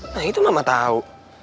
nah itu mama tau